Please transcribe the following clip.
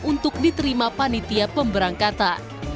untuk diterima panitia pemberangkatan